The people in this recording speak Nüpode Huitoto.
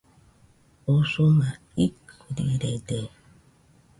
Usuma ikɨrirede